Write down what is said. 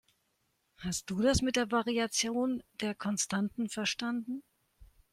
Hast du das mit der Variation der Konstanten verstanden?